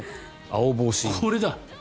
これだ。